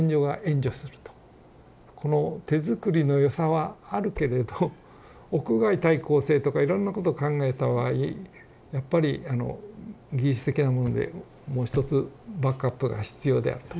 「この手づくりのよさはあるけれど屋外耐候性とかいろんなこと考えた場合やっぱり技術的なものでもうひとつバックアップが必要である」と。